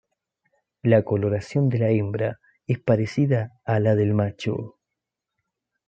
La coloración de la hembra es parecida a la del macho.